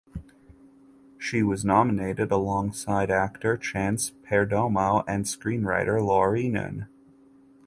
She was nominated alongside actor Chance Perdomo and screenwriter Laurie Nunn.